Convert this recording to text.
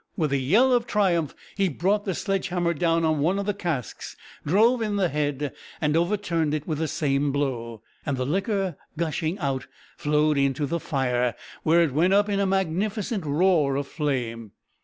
With a yell of triumph he brought the sledge hammer down on one of the casks, drove in the head, and overturned it with the same blow, and the liquor gushing out flowed into the fire, where it went up in a magnificent roar of flame.